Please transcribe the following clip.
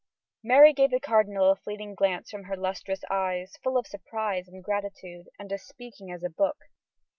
Mary gave the cardinal a fleeting glance from her lustrous eyes full of surprise and gratitude, and as speaking as a book.